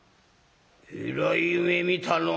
えらい夢見たのう」。